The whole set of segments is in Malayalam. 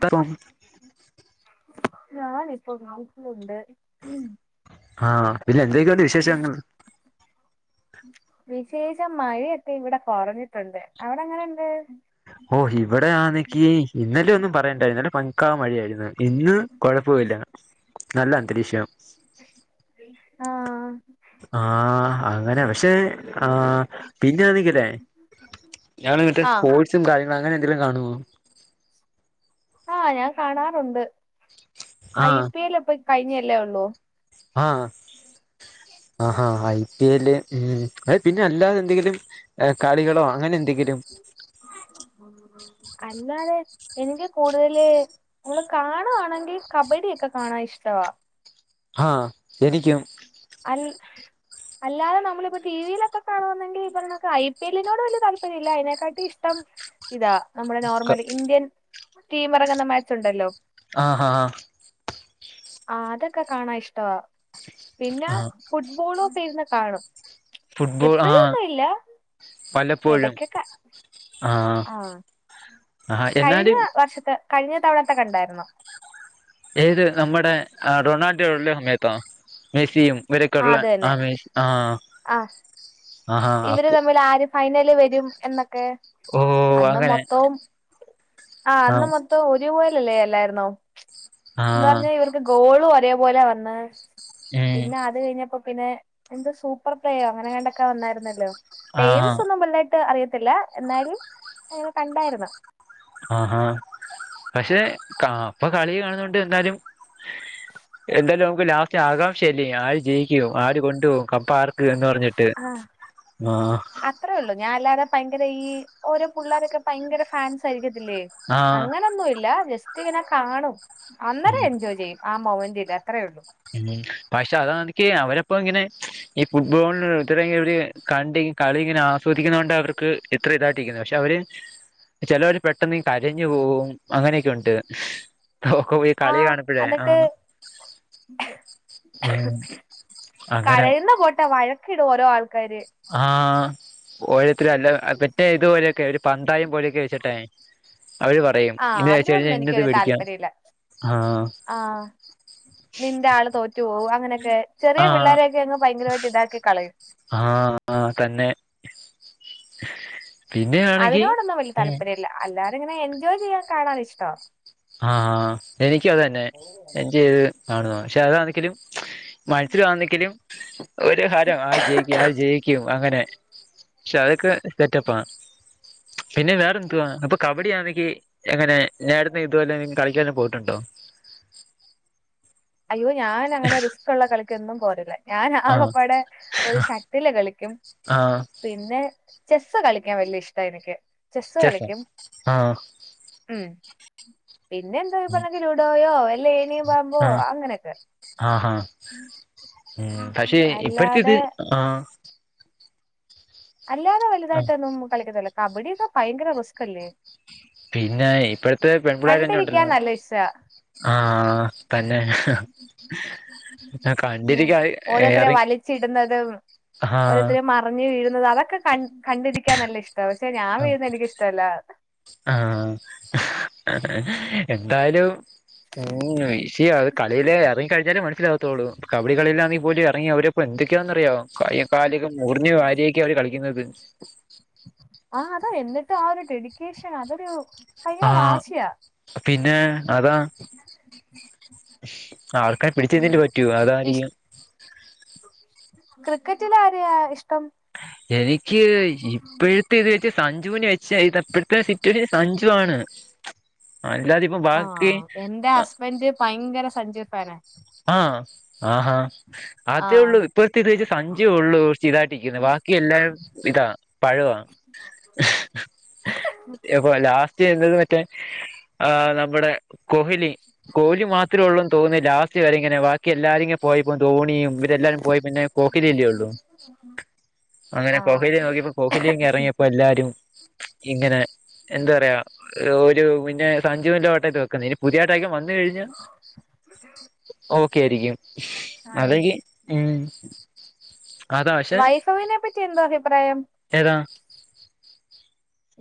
പറോം ഞാനിപ്പൊ [unintelligible] ഉണ്ട് ആഹ് പിന്നെ എന്തേക്കെയുണ്ട് വിശേഷങ്ങൾ വിശേഷം മഴയൊക്കെ ഇവിടെ കൊറഞ്ഞിട്ടുണ്ട് അവിടെ എങ്ങനുണ്ട് ഓ ഇവിടെയാന്നെങ്കി ഇന്നലെ ഒന്നും പറയണ്ടായി ഇന്നലെ പക്കാ മഴയായിരുന്ന് ഇന്ന് കൊഴപ്പവില്ല നല്ല അന്തരീക്ഷം ആഹ് ആഹ് അങ്ങന പഷേ ആ പിന്നാനെങ്കിലേ ഞാനിങ്ങട്ട് ആഹ് സ്‌പോട്സും കാര്യ അങ്ങനെ എന്തെലും കാണുവോ ആഹ് ഞാൻ കാണാറുണ്ട് ഐ ആഹ് പി എൽ ഇപ്പം കഴിഞ്ഞയല്ലേ ഉള്ളൂ ആഹ് ആഹാ ഐ പി എല് ഉം അയ് പിന്നെ അല്ലാതെ എന്തെങ്കിലും ഏ കളികളോ അങ്ങനെ എന്തെങ്കിലും അല്ലാതെ എനിക്ക് കൂടുതല് നമ്മള് കാണുവാണെങ്കി കബഡിയൊക്കെ കാണാൻ ഇഷ്ടവാ ആഹ് എനിക്കും അൽ അല്ലാതെ നമ്മളിപ്പോ ടി വിയിലൊക്കെ കാണുവാന്നെങ്കി ഈ പറഞ്ഞാണക്ക് ഐ പി എല്ലിനോട് വലിയ താല്പര്യം ഇല്ല അയിനെക്കാട്ടി ഇഷ്ടം ഇതാ നമ്മുടെ നോർമല് ഇന്ത്യൻ ടീം ഇറങ്ങുന്ന മാച്ച് ഉണ്ടല്ലോ ആഹ് ഹ ഹ ആ അതൊക്കെ കാണാൻ ഇഷ്ടവാ പിന്നെ ആഹ് ഫുട്ബോളും ഇരുന്ന് കാണും ഫുട്ബോൾ ആഹ് എപ്പഴൊന്നും ഇല്ല വല്ലപ്പോഴും ഇടക്കൊക്കെ ആഹ് ആഹ് എന്നാലും കഴിഞ്ഞ വർഷത്ത് കഴിഞ്ഞ തവണത്തെക്കണ്ടായിരുന്നൊ ഏത് നമ്മുടെ റൊണാൾഡോ ഉള്ള സമയത്തോ മെസ്സിയും ആഹ് ഓരൊക്കെള്ള അത് തന്നെ ആമേ ആഹ ആഹ് അഹ് ആഹ ആപ്പ ഇവര് തമ്മിൽ ആര് ഫൈനല് വരും എന്നൊക്കെ എ അന്ന് അങ്ങനെ മൊത്തോ ആ അന്ന് മൊത്തോം ഒരു ല്ലേ അല്ലായിരുന്നോ ആ ന്ന് വന്ന് വർക്ക് ഗോളും ഒരേപോലെ വന്നെ ഉം പിന്നെ അത് കഴിഞ്ഞപ്പോ പിന്നെ എന്ത് സൂപ്പർ പ്ലേയോ അങ്ങനെ കണ്ടൊക്കെ വന്നായിരുന്നല്ലോ ആഹാ എയിംസ് ഒന്നും വലതായിട്ട് അറിയത്തില്ല എന്നാലും അങ്ങനെ കണ്ടായിരുന്നു ആഹ പക്ഷെ കാ ഇപ്പൊ കളി കാണുന്നത്ണ്ട് എന്താലും എന്താലോ ലാസ്റ്റ് ആകാംക്ഷയല്ലേ ആര് ജയിക്കും ആര് കൊണ്ടു പോകും കപ്പാർ ന്ന് പറഞ്ഞിട്ട് ആഹ് ആഹ അത്രേ ഉള്ളൂ ഞാൻ അല്ലാതെ ഭയങ്കര ഈ ഓരോ പുള്ളാരൊക്കെ ഭയങ്കര ഫാൻസായിരിക്കും ല്ലേ ആ അങ്ങനൊന്നുംല്ല ജസ്റ്റ് ഇങ്ങനെ കാണും അന്നേരം എൻജോയ് ചെയ്യും ആ മൊ ഉ പക്ഷെ അതാനിക്ക് അവരെ ഇപ്പൊങ്ങനെ ഈ ഫുട്ബോൾ ഇത് വര് കണ്ട്‌ കളി ഇങ്ങനെ ആസ്വദിക്കുന്ന കൊണ്ട് അവർക്ക് താട്ടീക്ക്ന്ന് പക്ഷെ അവര് ചെലോര് പെട്ടെന്ന് കരഞ്ഞു പോവും അങ്ങനെയൊക്കെണ്ട് ആഹ എന്നിട്ട് ഉം അങ്ങനെ കരുയുന്ന പോട്ടെ വഴക്കിടും ഓരോ ആൾക്കാര് ആഹ ഓരോരുത്തര അല്ല മറ്റേ ഇതുപോലെയൊക്കെ ഒരു പന്തായം പോലെയൊക്കെ വെച്ചിട്ടെ അവര് പറയും ആഹ ഇന്ന് വെച്ച് അതിന്കൊണ്ടന്നും കഴിഞ്ഞാൽ ഇന്നത് എനിക്കൊര് മേടിക്കാം താല്പര്യല്ല ആ ആഹ നിന്റെ ആൾ തോറ്റു പോകും അങ്ങനെ അ ഇതാക്കി കളയും ആഹ് ആഹ തന്നെ [inaudible] അതിനോടൊന്നും വല്യ ഉം താല്പര്യല്ല അല്ലാതിങ്ങനെ എൻജോയ് ചെയ്യാൻ കാണാൻ ഇഷ്ടോ ആഹ ആ എനിക്കുതന്നെ എൻ ചെയ്ത് കാണുന്നു പക്ഷെ അതാണങ്കിലും മത്സരാന്നെങ്കിലും ഒരു ഹാരം ആ ജയിക്കും ആ ജയിക്കും അങ്ങനെ ക്ഷെ അതൊക്കെ സെറ്റപ്പാ പിന്നെ വേറെന്തുവാ അപ്പൊ കബഡിയാണെങ്കിഎങ്ങനെ നേ ഇതുപോലെ കളിക്കാനൊക്കെ പോയിട്ടുണ്ടോ അയ്യോ ഞാൻ അങ്ങന റിസ്ക് ള്ള കളിക്കൊന്നും പോരല്ലേ ഞാൻ ആഹ് ആകപ്പാടെ ഒരു ഷട്ടില് കളിക്കും ആഹ് പിന്നെ ചെസ്സ് കളിക്കാൻ വല്ല്യ ഇഷ്ട എനിക്ക് ചെസ്സ് ചെസ്സോ കളിക്കും ആഹ് ഉം പിന്നെ എന്തോഈ പറഞ്ഞെങ്കിൽ ലുഡോയോ എല്ല ഏണിയും പാമ്പോ അങ്ങനെയൊക്കെ ആഹഹാ ഉ പക്ഷെ ഇപ്പോത്തെത് അല്ലാതെ ആഹ അല്ലാതെ ആഹ് വലുതായിട്ടൊന്നും കളിക്കത്തില്ല കബഡിയൊക്കെ ഭയങ്കര റിസ്കല്ലേ പിന്നെ ഇപ്പ പെൺപുളായി തന്നെ ഉണ്ടല്ലോ നല്ല ഇഷ്ടാ ആഹ തന്നെ കണ്ടിരിക്കാ ഓരോരുത്തര എറി വലിച്ചിടുന്നതും ആഹ് ഓരോത്തരയും മറിഞ്ഞ് വീഴുന്നത് അതൊക്കെ ക കണ്ടിരിക്കാൻ നല്ല ഇഷ്ട പക്ഷെ ഞാൻ വീഴുന്നെനിക്കിഷ്ടല്ല എ എ എന്തായാലും ഉ വിഷിയത് ഈലേ ഇറങ്ങിക്കഴിഞ്ഞാലേ മനസിലാകത്തുള്ളൂ കവളി കളൽങ്ക പോലും ഇറങ്ങി അവരെപ്പോ എന്തെക്കെന്ന്റിയോ കയു കാലൊക്കെ മുറിഞ്ഞ വാരിയൊക്കെയ അവര് കളിക്കുന്നത് ആ അതാ എന്നിട്ട് ആ ഒരു ഡെഡിക്കേഷൻ അതൊരു ഭയങ്കര ആഹ് വാശിയാ പിന്നെ അതാ ആർക്ക പിടിച്ചെതിൻ്റ് പറ്റുവോ [unintelligible] ക്രിക്കറ്റിലാരെയാ ഇഷ്ടം? എനിക്ക് ഇപ്പഴത്തെയിത് വെച്ച് സഞ്ജുനെ വെച്ച തെപ്പഴത്തെ സിറ്റുവേ സഞ്ജു വാണ് അല്ലാതിപ്പൊ ബാക്കി ആഹ് എന്റെ അ ഹസ്ബൻഡ് ഭയങ്കര സഞ്ജു ഫാനാ ആ ആഹാ അതേള്ളൂ. ആഹ് ഇപ്പഴത്തിത് വെച്ച് സഞ്ജുവൊള്ളൂ ർച്ചിതായിട്ടുനിക്കുന്നേ. വ ക്കിയെല്ലാ ഇതാ പഴവാ. എവൊ ലാസ്റ്റ് എന്തെരുവെ ട്ടെ. ആ നമ്മെടെ കോഹലി. കോലി മാത്രേള്ളൂന്ന് തോന്നു ലാസ്റ്റ ചിവരെങ്ങനെ ബാക്കിയെല്ലാരുങ്ങ പോയിപ്പ ധോണിയും ഇവരെല്ലാരും പോയപിന്നെ കോഹ്ലിയല്ലേള്ളൂ. അങ്ങനെ ആഹ് കോഹലിയെ നോക്കിയപ്പോ കോഹലിങ്ങെറങ്ങിയപ്പോല്ലാരും. ഇങ്ങനെ എന്ത് പറയാ. രു ഒരു പിന്നെ സഞ്ജുന്റെ ഓട്ടത്ത കന്നായിനി പുതിതാതൈകം വന്ന് കഴിഞ്ഞ് ഓക്കെയാരിക്കും. ആഹ് അതെങ്കി ഉം. അതാ പക്ഷെ വൈഫവിനെ പറ്റി എന്താഭിപ്രായം? ഏതാ?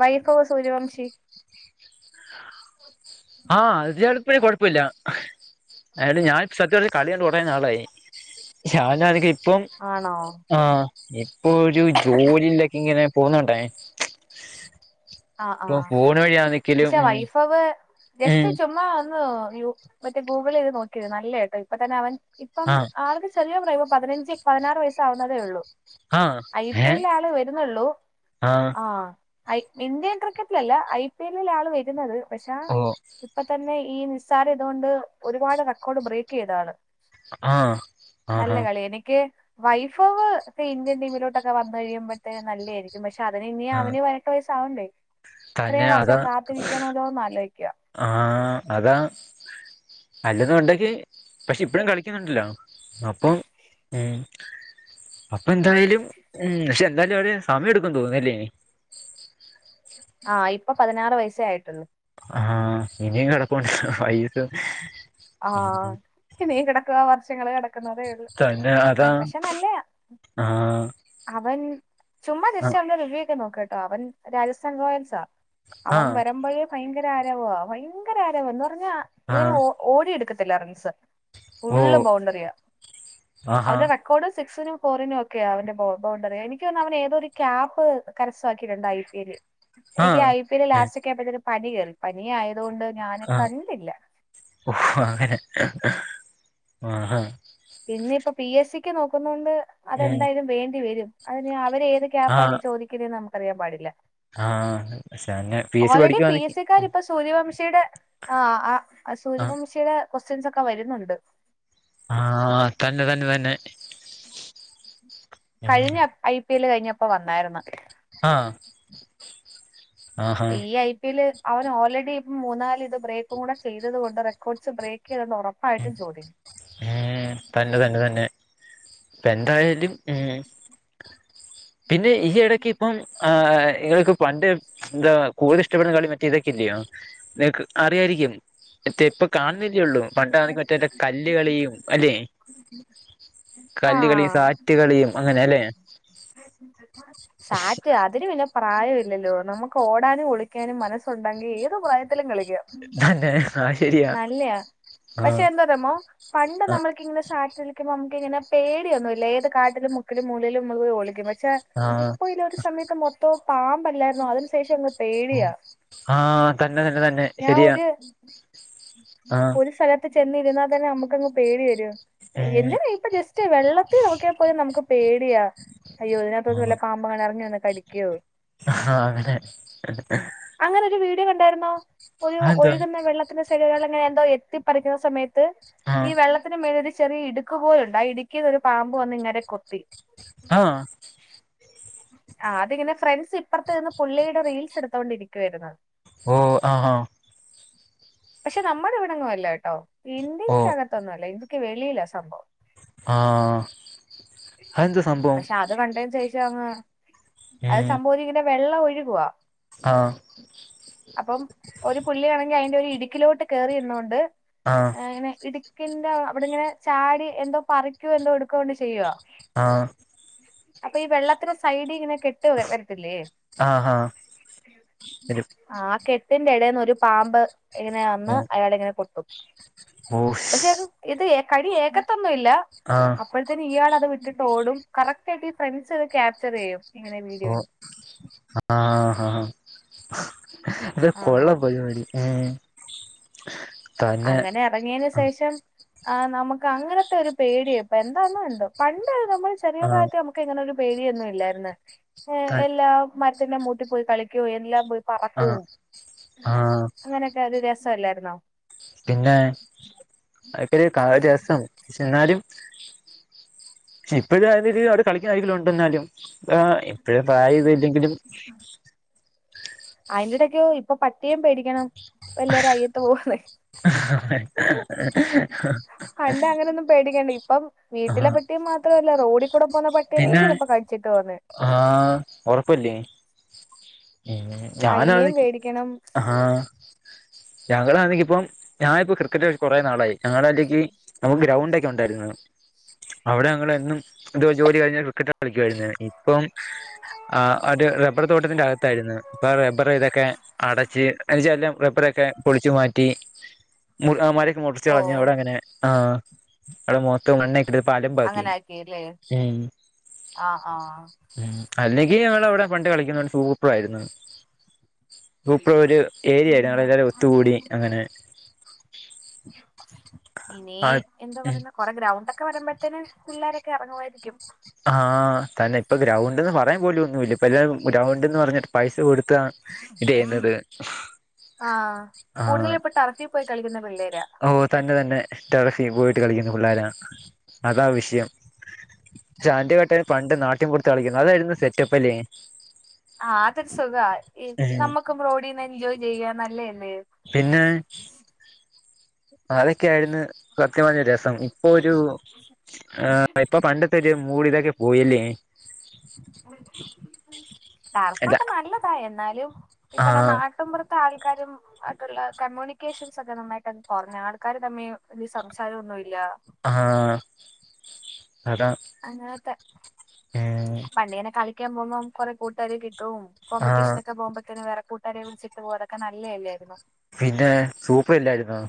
വൈഭവ് സൂര്യവംശി. ആഹ് അത് ചെലെപ്പെ കൊഴപ്പവില്ല. അല്ല ഞാൻ സത്യത് കളികണ്ട് കൊറെ നാളായി. ഷാനാണെങ്കി. പ്പം ആണോ ആ ഇപ്പൊരു ജോലിയിലെക്കെങ്ങനെ. പോന്നുണ്ടായി. ആഹ് ആഹ് പക്ഷെ ഉം വൈഭവ് ജസ്റ്റ് ഉം ചുമ്മാ ഒന്ന് യു മറ്റേ ഗൂഗിളെയ്ത് നോക്കിയേ. നല്ലേട്ടവ് ഇപ്പത്തന്നെ അവൻ. ഇപ്പം ആഹ് ആൾക്ക് ചെറിയ പ്രായംപ്പ പതിനഞ്ച് പതിനാറ് വയസ്സാവുന്നതേള്ളൂ. ആഹ് ഐ ഏ പി എൽ ആള് വെരുന്നൊള്ളൂ. ആഹ് ഐ ഇന്ത്യൻ ക്രിക്കറ്റിലല്ല. ഐ പി എല്ലിൽ ആള് വെരുന്നത് പക്ഷ ഓ ഇപ്പത്തന്നെ. ഈ നിസ്സാരിതൊണ്ട് ഒരുപാട് റെക്കോഡ് ബ്രേക്ക് ചെയ്തതാള്. ആഹ് നല്ല ആഹാ കളി എനിക്ക്. വൈഫവ് പ്പ ഇന്ത്യൻ ടീമിലോട്ടൊക്കെ വന്ന് കഴിയുമ്പോഴത്തേ നല്ലേയിരിക്കും. പക്ഷെ അതിന് ഇനി ആഹ് അവന് പതിനെട്ട് വയ സാവണ്ടേ. തന്നെ അത് ആലോചിക്കുക ആഹ് അതാ. അല്ലെത് ഉണ്ടെങ്കി പക്ഷെ ഇപ്പഴും കളിക്കുന്നുണ്ടല്ലോ അപ്പം ഉം. അപ്പന്തായാലും ഉം ക്ഷെന്തെയ്ച്ചാല്. സമയെടുക്കെന്ന് തോന്നുന്നല്ലേനി. ആ ഇപ്പൊ പതിനാറ് വയസ്സെയായിട്ടൊള്ളു. ആഹ് ഇനിയും കിടപ്പൊണ്ട് വൈസ്. ആഹ് ഇനീംകെടക്കക വർഷങ്ങള് കെട ക്കുന്നതേള്ളൂ. തന്നെ അതാ പക്ഷെ നല്ലെയാ. ആഹ് അവൻ ചുമ്മാ ആഹ് ചിരിച്ചൊണ്ട് റിവ്യൂ ക്കൊനോ കേട്ടോ അവൻ രാജസ്ഥാൻ റോയൽസാ. അവൻ ആഹ് വെരുമ്പഴ്. ഭയങ്കര ആരവവാ. ഭയങ്കര ആരവം. എന്ന് പറഞ്ഞാ ഇവൻ ആഹ് ഓ ഓടിയെടുക്കത്തില്ലേ റൻസ്. ഓ ഫുള്ള് ബൗണ്ടറിയാ. ആഹാ അവന്റെ റെക്കോർഡ്. സിക്സിനും ഫോറിനും ഒക്കെയ അവന്റെ ബൗ ബൗണ്ടറി. എനിക്ക് തോന്ന് അവൻ ഏതോയൊരു ക്യാപ്പ് കരസമാക്കിട്ടൊണ്ട് ഐ പി എലിൽ. എനിക്ക് ആഹ് ഐ പി ടെ ഉം ലാസ്റ്റക്കൊയായപ്പതേക്ക് പനി കേറി. പനിയാതോണ്ട് ഞാന് ആഹ് കണ്ടില്ല. ഓ അങ്ങെനെ ആഹ് ഹാ. ഇന്നിപ്പ പി എസ് സിക്ക് നോക്കുന്നോണ്ട് ഉം അതെന്തായാലും വേണ്ടി വരും. അതിന് ആ അവെര് ഏത് ക്യാപാനി ആഹ് ചോദിക്കുന്നേന്ന് നമ്മുക്കറിയാൻ പാടില്ല. ആഹ് പക്ഷെ അങ്ങനെ P S C already P പഠിക്കുവാന്നെങ്കി എസ് സിക്കാരിപ്പോ സൂര്യവംശിയുടെ ആ ആ. ആ ആഹ് സൂര്യവംശിയുടെ ക്വസ്റ്റ്യൻ സൊക്കെ വെരുന്നൊണ്ട്. ആഹ് തന്നെ തന്നെ തന്നെ. കഴിഞ്ഞ ഐ പി എല് കഴിഞ്ഞപ്പ വന്നാരുന്നു. ആഹ് ആഹ് ഹാ ഈ ഐ പി എല് അവൻ ഓൾറെഡി ഇപ്പം മൂന്നാല് ഇത് ബ്രേക്ക കൂടെ ചെയ്ത കൊണ്ട് റെക്കോഡ്സ് ബ്രേക്ക് ചെയ്തെന്ന് ഉറപ്പ് മ് തന്നെ തന്നെ തന്നെ ഇപ്പ എന്തായാലും മ് പിന്നെ ഈ ഇടക്ക് ഇപ്പം ആ നിങ്ങൾക്ക് പണ്ട് എന്താ കൂടുതൽ ഇഷ്ടപ്പെടുന്ന കളി മറ്റേ ഇതൊക്കെല്യോ നിങ്ങക്ക് അറിയാായിരിക്കും മറ്റേ ഇപ്പ കാണുന്നില്ലെള്ളൂ പണ്ടെ മറ്റേ കല്ലുകളിയും അല്ലെ കല്ലുകളളിയും ആഹ് സാറ്റ്കളിയും അങ്ങനെ അല്ലേ സാറ്റ് അതിന് പിന്നെ പ്രായമ ഇില്ലല്ലോ നമുക്ക് ഓടാനും ഒളിക്കാനും മനസ്സുണ്ടെങ്കിൽ ഏത് പ്രായത്തിലും കള തന്നെ ആഹ് ശരിയാ നല്ലയാ പക്ഷെ ആഹ് എന്താറിയാമോ പണ്ട് ആഹ് നമ്മൾക്ക ഇങ്ങനെ [unintelligible] നമക്കിങ്ങനെ പേടിയൊന്നും ഇല്ല ഏത് കാട്ടിലും മുക്കിലും മൂലേലും നമ്മള് ഒളിക്കും പക്ഷെ ആഹ് ഇപ്പോ ഈടക് ഒരു സമയത്ത് മൊത്തം പാമ്പല്ലായിരുന്നോ അതിനു ശേഷം പേടിയാ ആ തന്നെ തന്നെ തന്നെ ഞാൻ ശരിയാ ഒരു ആഹ് ഒരു സ്ഥലത്ത് ചെന്നിരുന്നാൽ തന്നെ നമുക്കങ്ങ് പേടി വരും ഏഹ് എന്തിനാ ഇപ്പൊ ജസ്റ്റ് വെള്ളത്തിൽ നോക്കിയാൽ പോലും നമുക്ക് പേടിയാ അയ്യോതിനകത്ത്ന്ന് ആഹ് വല്ല പാമ്പുകളും ഇറങ്ങിവന്ന് കടിക്കുവോ [unintelligible] ഉണ്ടായിരുന്നോ ഒരു അതെന്തുവാ ഒഴുകുന്ന വെള്ളത്തിന്റെ ശൈഖകൾ എങ്ങനെ എന്തോ എത്തിപ്പിക്കുന്ന സമയത്ത് ത്ത് ഈ ആഹ് വെള്ളത്തിനന് മേള ഒരു ചെറിയ ഇടുക്ക പോലുണ്ട് ആ ഇടുക്കിയത് ഒരു പാമ്പ് വന്ന് ഇങ്ങെ കൊത്തി ആ ആ അതിങ്ങനെ ഫ്രണ്ട്സ് ഇപ്പറത്ത നിന്ന് പുള്ളിയുടെ റീൽസ് എടുത്തോണ്ടിരിക്കുവായിരന്നു ഓ ആ ആ പക്ഷെ നമ്മുടെ ഇവിടെങ്ങും അല്ലകെട്ടോ ഓഹ് ഇന്ത്യക്കകത്തൊന്നും അല്ല ഇന്ത്ക്ക് വെളിയിലാ സംഭവം ആഹ അതെന്താ സംഭവം ങ് അത് ഉം സംഭവിക്കുന്ന വെള്ളം ഒഴുകുവ ആഹ് അപ്പം ഒരു പുള്ളിയാണെങ്കി അയിന്റെ ഒരു ഇടുക്കിലോട്ട് കേറി ഇുന്നുകൊണ്ട് ആഹ് ഇങ്ങനെ ഇടുക്കിൻന്റെ അവിടെ ഇങ്ങനെ ചാടി എന്തോ പറിക്കോ എന്തോ എടുക്കോണ്ട് ചെയ്യുവാ ആഹ അപ്പൊ ഈ വെള്ളത്തിന്റെ സൈഡ് ഇങ്ങനെ കേട്ട് പോലെവരത്തിലെ ആഹ് ആഹ് ആ ത്തിന്റെ ഇടേന്ന് ഒരു പാമ്പ് ഇങ്ങനെ വന്ന് ഓ അയാളെ ഇങ്ങനെ കൊത്തും പക്ഷെ ഇത് കടി ഏകത്തൊന്നും ഇല്ല ആഹ് അപ്പോഴത്തന്നെ ഇയാള വിട്ടിട്ടോടും കറക് ആയിട്ട് ഈ ഫ്രൺണ്ട്സ്‌ ക്യാപ്ചർ ചെയ്യും ഇങ്ങനെ ഓ വീഡിയോയിൽ ആഹ ഹഹ ഇത് ആഹ് കൊള്ളാം പരിപാടി ഏ അങ്ങനെ ഇറങ്ങിയതിന് ശേഷം ആ നമുക്ക് അങ്ങനത്തെ ഒരു പേടിയാ ഇപ്പൊ എന്താന്നോ എന്തോ പണ്ട് നമ്മൾ ചെറിയ ആഹ് പ്രായത്ത് നമുക്ക് ഇങ്ങനൊരു പേടിയൊന്നും ഇല്ലായിരുന്നു ത എല്ലാ മരത്തിന്റെ മൂട്ടിൽ പോയി കളിക്കൊ എല്ലാ പോയി പറക്കും ആഹ് ആഹ് അങ്ങനെയൊക്കെ അത് രസല്ലായിരുന്നോ പിന്നെ അക്കൊരു കാ രസം എന്നാലും ഇപ്പോഴും അയ്രീതിയിൽ അവിടെ കളിക്കുന്ന ആയ്ലും ഉണ്ട എന്നാലും ആ ഇപ്പോഴും പ്രായ ഇത ഇല്ലെങ്കിലും അയിന്റെടക്കെയോ ഇപ്പൊ പട്ടിയം പേടിക്കണം എല്ലരും അയ്യത്ത പോവന്നേ പണ്ട് അങ്ങനെ ഒന്നും പേടിക്കേണ്ട ഇപ്പം വീട്ടിലെ ആഹ് പട്ടിയ മാത്ര റോഡിക്കൂടെ പോവുന്ന പട്ടി ആയിരിക്കും ചിലപ്പോ കടിച്ചിട്ട് പോകുന്നെ ആഹ ഉറപ്പല്ലേ മ് ഞാന അയിനേം ആദ്യം പേടിക്കണം ആ ഞങ്ങളാണെങ്കി ഇപ്പം ഞാനിപ്പം ക്രിക്കറ്റ് കൊറെേ നാളായി ഞങ്ങള അ മ്മക്ക് ഗ്രൗണ്ട ഒക്കെ ഉണ്ടായി അവിടെ ഞങ്ങൾ എന്നും ഇത് വെച്ച് ജോലി കഴിഞ്ഞാൽ ക്രിക്കറ്റ് കളിക്കുായിരുന്നു ഇപ്പം അത് ഒരു റബ്ബർ തോട്ടത്തിന്റെ അകത്തായിരുന്നു ഇപ്പ റബ്ബർ ഇതൊക്കെ അടച്ച് എല്ലാം റബ്ബറൊക്കെ പൊളിച്ചു മാറ്റി മോ മര മുറിച്ച് കളഞ് ആ ഓഹ് അവ്ടെങ്ങന ആ് അവിടെ മൊത്ത മണ്ണാക്കി അങ്ങനെ ആക്കില്ലേ ഉം ആഹ് ആഹ് ഉം അല്ലെങ്കിൽ ഞമ്മള വിടെ പണ്ട് കളിക്കുന്നടെ സൂപ്പറായ്രുന്നു സൂപർ ഒരു ഏരിയായിൽ ഉം ഞങ്ങൾ എല്ലരും ഒത്തുകൂടി അങ്ങനെ ഇനി ആ എന്താ ഉം പറയുന്നെ കൊറെ ഗ്രൗണ്ട് ഒക്കെ ഒക്കെ പറയുമ്പഴത്തേന് പിള്ളാരൊക്കെ ഇറങ്ങുമായിരിക്കും ആഹ തന്നെ ഇപ്പ ഗ്രൗണ്ട്ന്ന് പറയാൻ പോലും പലരും ഗൗണ്ട്ന്ന് പറഞ്ഞിട്ട് പൈസ കൊടുത്താണ് ഇത് ചെയ്യുന്നത് ആ ആ കൂടുതൽ ഇപ്പൊ ടറഫിൽ പോയി കളിക്കുന്ന പിള്ളേരാ ഓ തന്നെ തന്നെ ടറഫി പോയിട്ട് കളിക്കുന്ന പിള്ളോരാ അതാ വിഷയം [unintelligible] പണ്ട് നാട്ടിൻപുറത്ത് കളിക്കുന്നെ അതായിരുന്നു സെറ്റപ്പ് അല്ലേ ആ അതൊരു സുഖ ഉം നമ്മുക്കും റോഡിൽന്ന് എൻജോയ് ചെയ്യാ നല്ലല്ലേ പിന്നെ അതൊക്കെയ ആയിരുന്നു സത്യമ്പറഞ്ഞാ രസം ഇപ്പൊ ഒരു ആഹ ഇപ്പൊ പണ്ടത്തെരു മൂട് ഇതൊക്കെ പോയില്ലേ അല്ല കറക്കൊക്കെ നല്ലതായി എന്നാലും ഇപ്പഞ്ഞ ആഹ് നാട്ടുംപോർത്തു ത്തെ ആൾക്കാരും ആയിട്ടുള്ള കമ്മ്യൂണിക്കേഷൻസ് ഒക്കെ നന്നായിട്ട്ത് കൊറഞ്ഞു ആൾക്കർ തമ്മി വല്യ സംസാരോന്നുല്ല ആഹ അങ്ങനത്തെ ഉം പണ്ട് പിന്നെ കളിക്കാൻ പോകുമ്പം കൊറെ കൂട്ടുകാരെക്കെ കിട്ടും ആഹ് കോമ്പറ്റീഷനൊക്കെ പോകുമ്പഴത്തേന് വേറെ കൂട്ടാരെ വിളിച്ചിട്ട് പോയതൊക്കെ നല്ലല്ലായിരുന്നോ പിന്നെ സൂപ്പറല്ലായിരുന്നോ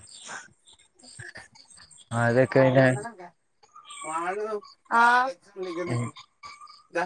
[unintelligible] മാളു ആ ദാ ഉം വിളിക്കുന്നെ ദാ